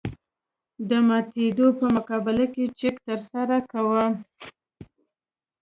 د ماتېدو په مقابل کې چک ترسره کوو